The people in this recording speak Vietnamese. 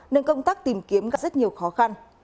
nên công tác tìm kiếm rất nhiều khó khăn